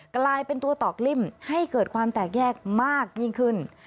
กลายเป็นตัวตอกลิ่มให้เกิดความแตกแยกมากยิ่งขึ้น